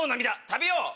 食べよう！